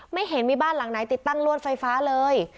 ไม่เห็นมีบ้านหลังไหนติดตั้งลวดไฟฟ้าเลย